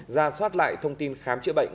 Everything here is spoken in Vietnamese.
ra soát lại thông tin khám chữa bệnh